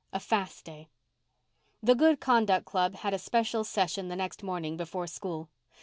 A FAST DAY The Good Conduct Club had a special session the next morning before school.